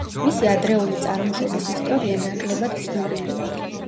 მისი ადრეული წარმოშობის ისტორია ნაკლებად ცნობილია.